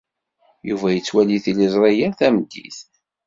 Yuba yettwali tiliẓri yal tameddit.